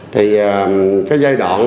thì cái giai đoạn